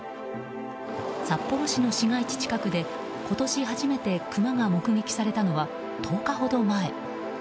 札幌市の市街地近くで今年初めてクマが目撃されたのは１０日ほど前。